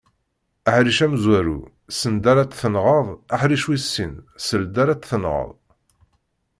Aḥric amezwaru send ara t-tenɣeḍ, aḥric wis sin seld ara t-tenɣeḍ.